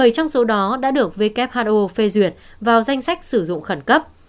bảy trong số đó đã được who phê duyệt vào danh sách sử dụng khẩn cấp